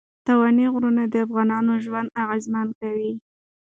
ستوني غرونه د افغانانو ژوند اغېزمن کوي.